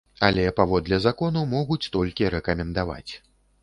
Але паводле закону могуць толькі рэкамендаваць.